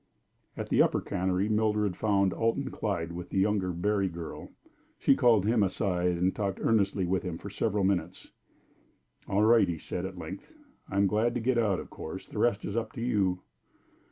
At the upper cannery Mildred found Alton Clyde with the younger Berry girl. She called him aside, and talked earnestly with him for several minutes. "All right," he said, at length. "I'm glad to get out, of course; the rest is up to you."